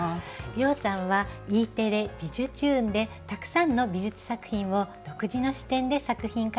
涼さんはＥテレ「びじゅチューン！」でたくさんの美術作品を独自の視点で作品化されています。